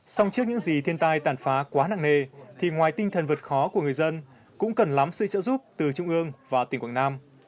xong trước những gì thiên tai tàn phá quá nặng nề thì ngoài tinh thần vượt khó của người dân cũng cần lắm sự trợ giúp từ trung ương và tỉnh quảng nam